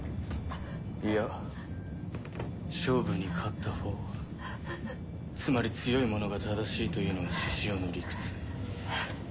いや勝負に勝ったほうつまり強い者が正しいというのは志々雄の理屈。